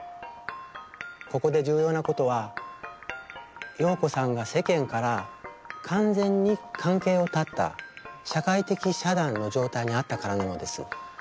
ここで重要なことは陽子さんが世間から完全に関係を断った社会的遮断の状態にあったからなのです。